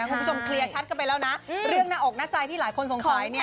คุณผู้ชมเคลียร์ชัดกันไปแล้วนะเรื่องหน้าอกหน้าใจที่หลายคนสงสัยเนี่ย